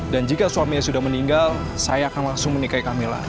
dan jika suaminya sudah meninggal saya akan langsung menikahi kamila